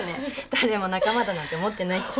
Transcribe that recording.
誰も仲間だなんて思ってないっつうの。